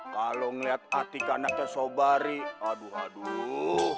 kalau ngeliat hati kanaknya sobari aduh aduh